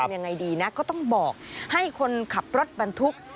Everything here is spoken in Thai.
ยังไงดีนะก็ต้องบอกให้คนขับรถบรรทุก